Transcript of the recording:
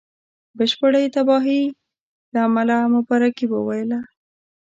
بشپړي تباهی له امله مبارکي وویله.